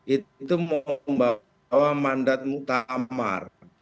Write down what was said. itu membawa mandat mutamar